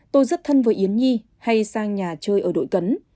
tôi rất thân với yến nhi hay sang nhà chơi ở đội cấn